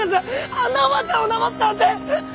あんなおばあちゃんをだますなんて！